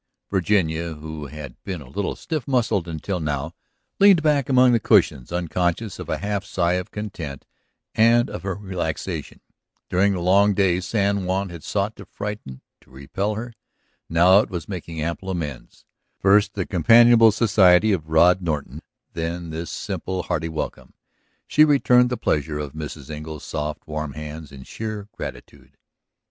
Virginia, who had been a little stiff muscled until now, leaned back among the cushions unconscious of a half sigh of content and of her relaxation. During the long day San Juan had sought to frighten, to repel her. Now it was making ample amends: first the companionable society of Rod Norton, then this simple, hearty welcome. She returned the pressure of Mrs. Engle's soft, warm hands in sheer gratitude.